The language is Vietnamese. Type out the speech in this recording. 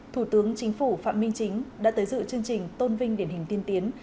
thủ tướng chính phủ phạm minh chính đã tới dự chương trình tôn vinh điển hình tiên tiến